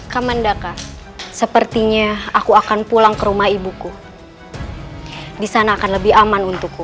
kamandaka sepertinya aku akan pulang ke rumah ibuku di sana akan lebih aman untukku